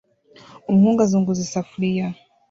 Umuhungu azunguza isafuriya